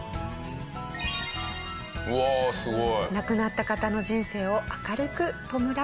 うわすごい！